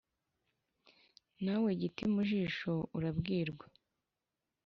Nawe giti mu jisho urabwirwa